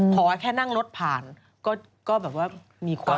เพราะว่าแค่นั่งรถผ่านก็แบบว่ามีความ